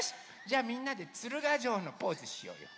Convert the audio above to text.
じゃあみんなでつるがじょうのポーズしようよ。